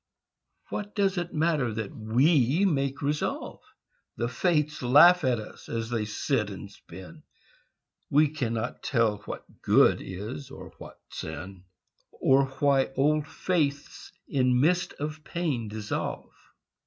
What does it matter that we make resolve? The Fates laugh at us as they sit and spin; We cannot tell what Good is, or what Sin, Or why old faiths in mist of pain dissolve.